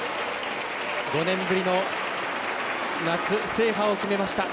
５年ぶりの夏制覇を決めました。